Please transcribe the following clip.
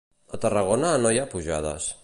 A Tarragona no hi ha pujades.